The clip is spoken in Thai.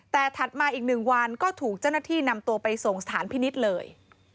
แต่ถัดมาอีก๑วันก็ถูกเจ้าหน้าที่นำตัวไปส่งสถานพินิษฐ์เลย